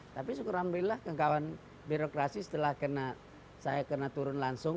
tapi syukur alhamdulillah kawan kawan birokrasi setelah saya kena turun langsung